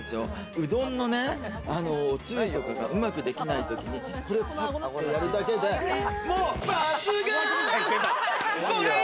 うどんのね、おつゆとかが、うまくできないときに、ぱっとやるだけでバツグン！